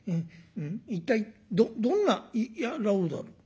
一体どんな野郎だろう？」。